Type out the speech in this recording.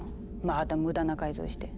また無駄な改造して。